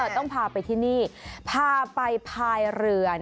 ต้องพาไปที่นี่พาไปพายเรือ